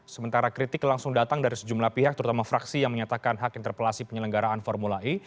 sementara kritik langsung datang dari sejumlah pihak terutama fraksi yang menyatakan hak interpelasi penyelenggaraan formula e